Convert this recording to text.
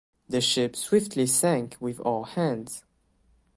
The ship swiftly sank with all hands.